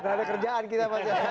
nggak ada kerjaan kita pak s b